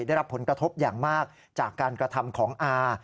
ได้รับผลกระทบอย่างมากจากการกระทำของอา